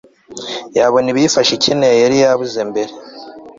yabona ibiyifasha ikeneye yari yabuze mbere